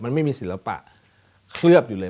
มันไม่มีศิลปะเคลือบอยู่เลย